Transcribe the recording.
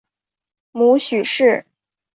母许氏。